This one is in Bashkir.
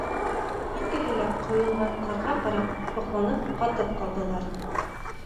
Икеһе лә ҡойолған ҡарға ҡарап һоҡланып ҡатып ҡалдылар.